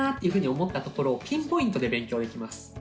いうふうに思ったところをピンポイントで勉強できます。